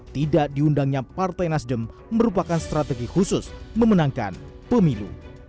tidak diundangnya partai nasdem merupakan strategi khusus memenangkan pemilu